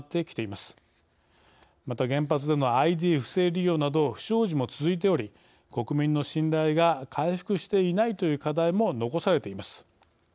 また、原発でのＩＤ不正利用など不祥事も続いており国民の信頼が回復していないという課題も残されています。